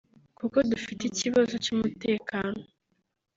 kuko dufite ikibazo cy’umutekano